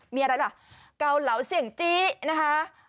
มีอะไรล่ะกาวเหลาเสียงจิกนะคะ